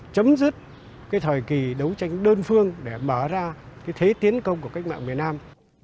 chấm dứt cái thời kỳ đấu tranh đơn phương để mở ra cái thế tiến công của cách mạng miền nam